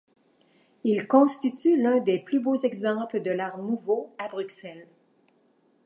Il constitue l’un des plus beaux exemples de l'Art nouveau à Bruxelles.